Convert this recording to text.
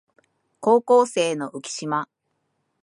高校生の浮島